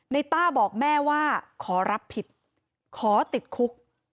ต้าบอกแม่ว่าขอรับผิดขอติดคุก